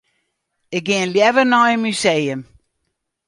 Ik gean leaver nei in museum.